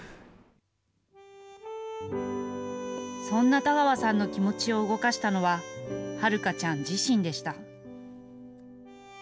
そんな田川さんの気持ちを動かしたのは、はるかちゃん自身でした。